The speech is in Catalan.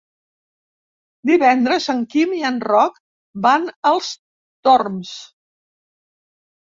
Divendres en Quim i en Roc van als Torms.